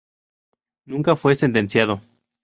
Nunca fue sentenciado.